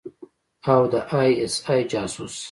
او د آى اس آى جاسوس.